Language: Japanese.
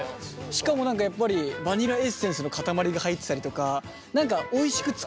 しかもやっぱりバニラエッセンスの塊が入ってたりとか何かおいしく作れないんだよね。